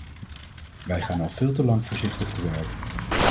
Wij gaan al veel te lang voorzichtig te werk.